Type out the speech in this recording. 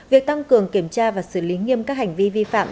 việc tăng cường kiểm tra và xử lý nghiêm các hành vi vi phạm